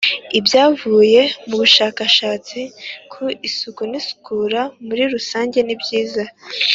Ibyavuye mu bushakashatsi ku isuku n isukura muri rusange nibyiza